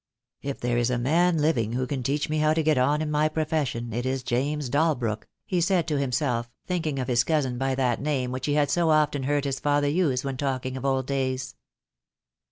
"If there is a man living who can teach me how to get on in my profession it is James Dalbrook," he said to himself, thinking of his cousin by that name which he had so often heard his father use when talking of old days.